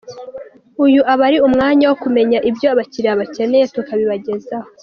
Uyu uba ari umwanya wo kumenya ibyo abakiriya bakeneye tukabibagezaho.